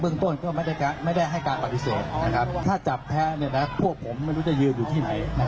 ต้นก็ไม่ได้ให้การปฏิเสธถ้าจับแพ้พวกผมไม่รู้จะยืนอยู่ที่ไหน